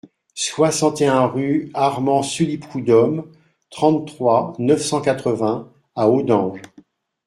soixante et un rue Armand Sully Prudhomme, trente-trois, neuf cent quatre-vingts à Audenge